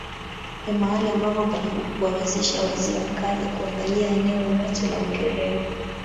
Ni mahali ambapo paliwawezesha wazee wa kale kuangali eneo lote la Ukerewe